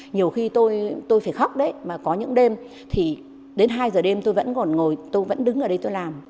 nhiều khi tôi phải khóc đấy mà có những đêm thì đến hai giờ đêm tôi vẫn còn ngồi tôi vẫn đứng ở đây tôi làm